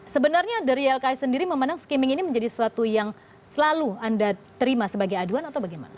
sebenarnya dari ylki sendiri memandang skimming ini menjadi sesuatu yang selalu anda terima sebagai aduan atau bagaimana